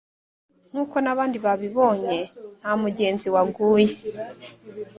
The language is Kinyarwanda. nk uko n abandi babibonye ntamugezi waguye